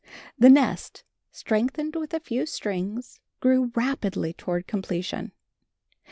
The nest, strengthened with a few strings, grew rapidly toward completion.